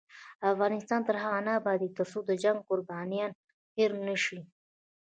افغانستان تر هغو نه ابادیږي، ترڅو د جنګ قربانیان هیر نشي.